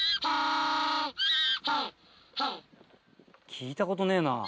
聞いたことねえなぁ。